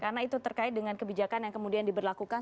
karena itu terkait dengan kebijakan yang kemudian diberlakukan